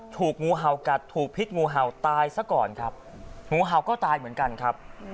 ถูกงูเห่ากัดถูกพิษงูเห่าตายซะก่อนครับงูเห่าก็ตายเหมือนกันครับ